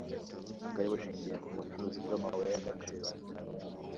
bwari bushingiye ku bucukuzi bw amabuye y agaciro